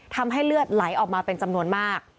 ทำให้เลือดไหลออกมาเป็นจำนวนมาก